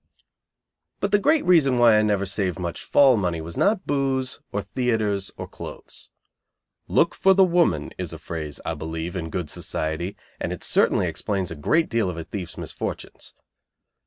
But the great reason why I never saved much "fall money" was not "booze," or theatres, or clothes. "Look for the woman" is a phrase, I believe, in good society; and it certainly explains a great deal of a thief's misfortunes.